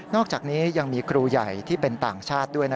อกจากนี้ยังมีครูใหญ่ที่เป็นต่างชาติด้วย